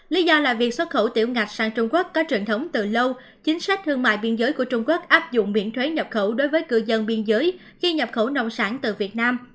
lý do là việc xuất khẩu tiểu ngạch sang trung quốc có truyền thống từ lâu chính sách thương mại biên giới của trung quốc áp dụng miễn thuế nhập khẩu đối với cư dân biên giới khi nhập khẩu nông sản từ việt nam